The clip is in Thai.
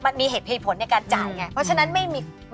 จัดการอะไร